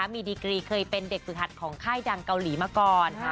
มีดีกรีเคยเป็นเด็กฝึกหัดของค่ายดังเกาหลีมาก่อน